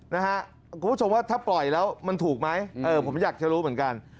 คุณผู้ชมว่าถ้าปล่อยแล้วมันถูกไหมเออผมอยากจะรู้เหมือนกัน